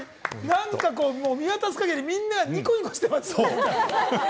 なんか見渡す限り、みんながニコニコしてますね。